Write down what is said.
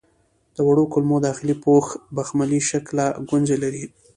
د وړو کولمو داخلي پوښ بخملي شکله ګونځې لري.